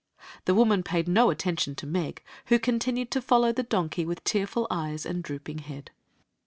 The woman paid no attention to Meg, who continued to follow the donkey with tearful eyes and droooing head.